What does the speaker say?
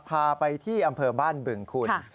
พาไปที่อำเภอบ้านบึงคุณ